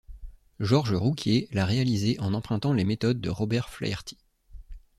Georges Rouquier l'a réalisé en empruntant les méthodes de Robert Flaherty.